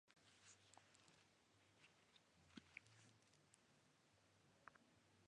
Los medicamentos se identifican por la Denominación Común Internacional.